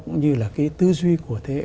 cũng như là tư duy của thế hệ